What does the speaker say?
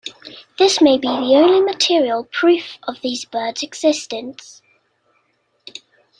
This may be the only material proof of these birds' existence.